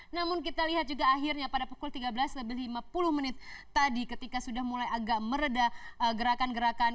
namun kita lihat juga akhirnya pada pukul tiga belas lebih lima puluh menit tadi ketika sudah mulai agak meredah gerakan gerakan